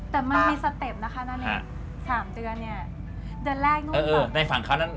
แต่มันมีสเต็ปนะคะนั่นเอง๓เดือนเนี่ย